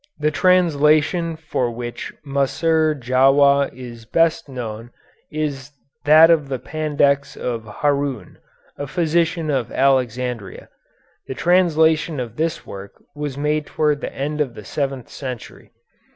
The translation for which Maser Djawah is best known is that of the Pandects of Haroun, a physician of Alexandria. The translation of this work was made toward the end of the seventh century.